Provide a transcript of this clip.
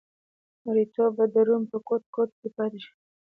مریتوب د روم په ګوټ ګوټ کې پاتې شو.